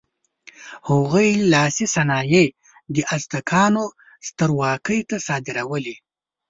هغوی لاسي صنایع د ازتکانو سترواکۍ ته صادرول.